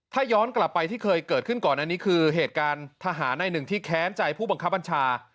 ถ้าย้อนกลับไปที่เคยเกิดขึ้นก่อนอันนี้คือเหตุการณ์ทหารในหนึ่งที่แค้นใจผู้บังคับบัญชา